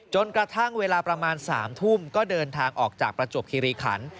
จนกระทั่งเวลาประมาณ๓ทุ่มก็เดินทางออกจากประจวบคิริขัน